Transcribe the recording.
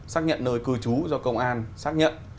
xác nhận nơi cư trú do công an xác nhận